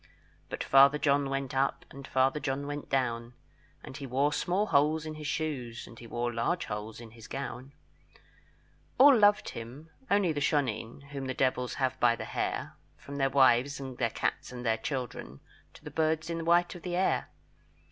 But Father John went up, And Father John went down; And he wore small holes in his shoes, And he wore large holes in his gown. All loved him, only the shoneen, Whom the devils have by the hair, From their wives and their cats and their children, To the birds in the white of the air.